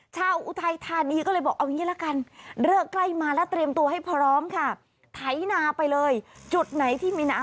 ชาวอุทัยทานีก็เลยบอกเอาอย่างนี้ละกัน